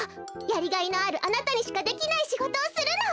やりがいのあるあなたにしかできないしごとをするの！